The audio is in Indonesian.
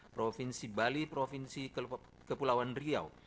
provinsi bali provinsi kepulauan riau